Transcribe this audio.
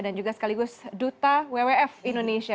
dan juga sekaligus duta wwf indonesia